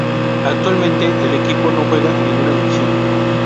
Actualmente, el equipo no juega en ninguna división.